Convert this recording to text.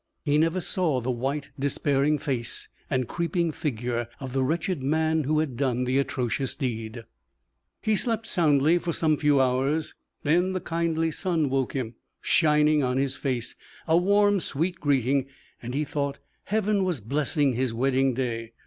He never saw the white, despairing face and creeping figure of the wretched man who had done the atrocious deed. He slept soundly for some few hours, then the kindly sun woke him, shining on his face a warm, sweet greeting, and he thought Heaven was blessing his wedding day.